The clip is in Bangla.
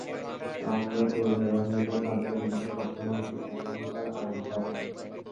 আমরা তরুণেরা মিলে তাদের বোঝাতে সক্ষম হয়েছি পাখি শিকার আইনত অপরাধ।